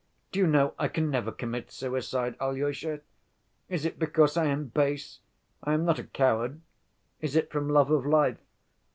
Do you know, I can never commit suicide, Alyosha. Is it because I am base? I am not a coward. Is it from love of life?